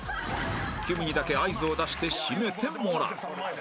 きむにだけ合図を出して締めてもらう